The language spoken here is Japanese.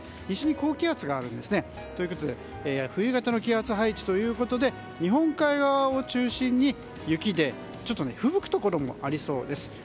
西に高気圧があるんですね。ということで冬型の気圧配置ということで日本海側を中心に、雪でちょっとねふぶくところもありそうです。